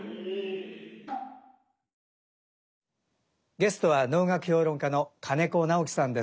ゲストは能楽評論家の金子直樹さんです。